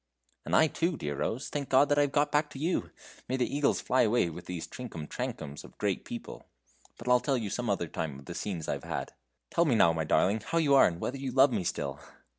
"And I too, dear Rose, thank God that I have got back to you. May the eagles fly away with these trinkum trankums of great people. But I'll tell you some other time of the scenes I've had. Tell me now, my darling, how you are, and whether you love me still!"